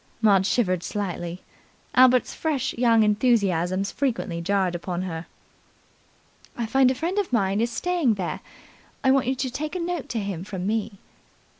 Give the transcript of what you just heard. Maud shivered slightly. Albert's fresh young enthusiasms frequently jarred upon her. "I find a friend of mine is staying there. I want you to take a note to him from me."